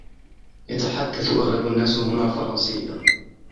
يتحدث أغلب الناس هنا الفرنسية.